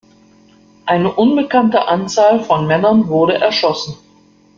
Eine unbekannte Anzahl von Männern wurde erschossen.